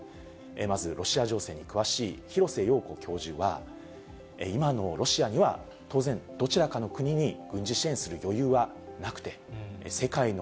まずロシア情勢に詳しい廣瀬陽子教授は、今のロシアにはどちらかの国に軍事支援する余裕はなくて、世界の